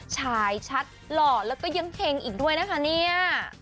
ฉายชัดหล่อแล้วก็ยังเฮงอีกด้วยนะคะเนี่ย